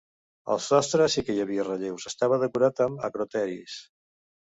Al sostre sí que hi havia relleus, estava decorat amb acroteris.